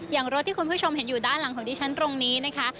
รถที่คุณผู้ชมเห็นอยู่ด้านหลังของดิฉันตรงนี้นะคะ